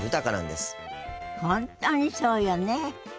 本当にそうよね。